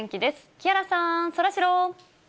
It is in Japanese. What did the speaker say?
木原さん、そらジロー。